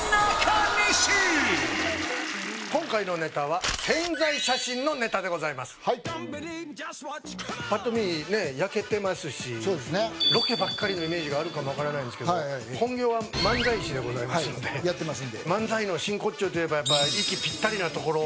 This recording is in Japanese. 今回のネタはのネタでございますぱっと見ねえロケばっかりのイメージがあるかも分からないんですけど本業は漫才師でございますのではいやってますんで漫才の真骨頂といえばやっぱ息ぴったりなところ